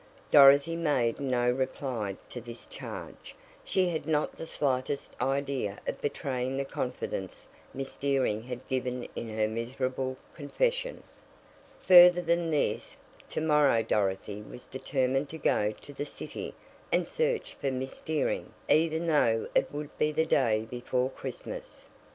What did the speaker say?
Dorothy made no reply to this charge she had not the slightest idea of betraying the confidence Miss Dearing had given in her miserable confession. Further than this, to morrow Dorothy was determined to go to the city and search for Miss Dearing, even though it would be the day before Christmas.